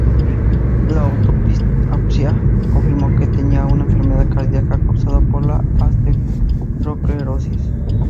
La autopsia confirmó que tenía una enfermedad cardíaca, causada por la aterosclerosis.